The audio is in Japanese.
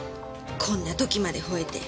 こんな時まで吠えて。